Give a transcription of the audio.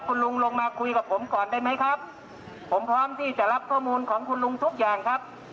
คุณลุงลงมาคุยกับผมก่อนได้ไหมครับผมพร้อมที่จะรับข้อมูลของคุณลุงทุกอย่างครับ